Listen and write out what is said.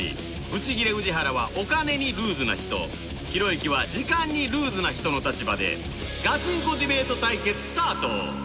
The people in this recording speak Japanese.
ブチギレ氏原はお金にルーズな人ひろゆきは時間にルーズな人の立場でガチンコディベート対決スタート！